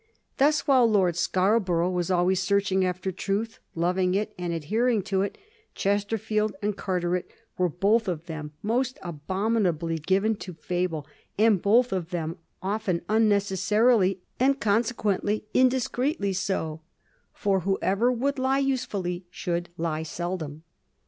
Thus, while Lord Scarborough was always searching after truth, loving it, and adhering to it^ Chesterfield and Carteret were both of them most abomi nably given to fable, and both of them often unnecessarily and consequently indiscreetly so; "for whoever would lie usefully should lie seldom."